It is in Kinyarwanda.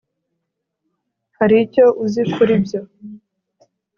hari icyo uzi kuri ibyo